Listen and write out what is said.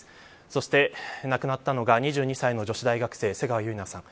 そして亡くなったのが、２２歳の女子大学生瀬川結菜さん。